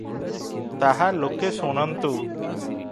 ତାହା ଲୋକେ ଶୁଣନ୍ତୁ